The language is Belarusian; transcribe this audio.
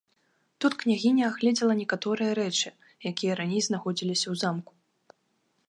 Тут княгіня агледзела некаторыя рэчы, якія раней знаходзіліся ў замку.